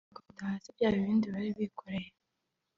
Bakubita hasi bya bibindi bari bikoreye